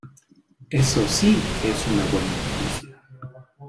Eso sí que es una buena noticia.